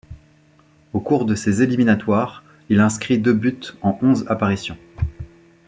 Au cours de ces éliminatoires, il inscrit deux buts en onze apparitions.